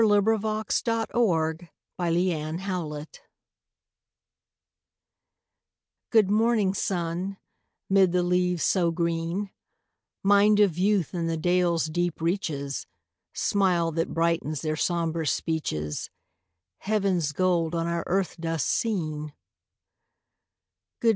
THE MAIDENS' SONG (FROM HALTE HULDA) Good morning, sun, 'mid the leaves so green Mind of youth in the dales' deep reaches, Smile that brightens their somber speeches, Heaven's gold on our earth dust seen!